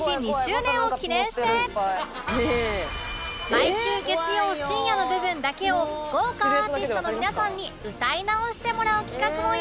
「毎週月曜深夜」の部分だけを豪華アーティストの皆さんに歌い直してもらう企画を用意